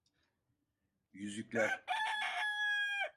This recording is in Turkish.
Yüzükler.